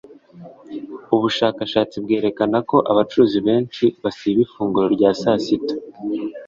Ubushakashatsi bwerekana ko abacuruzi benshi basiba ifunguro rya sasita